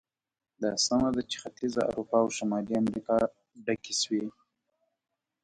دا سمه ده چې ختیځه اروپا او شمالي امریکا ډکې شوې.